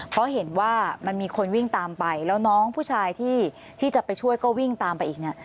เพราะเห็นว่ามันมีคนวิ่งตามไปแล้วน้องผู้ชายที่จะไปช่วยก็วิ่งตามไปอีกเนี่ย